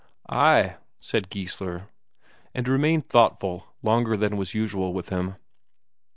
"Ay," said Geissler, and remained thoughtful longer than was usual with him.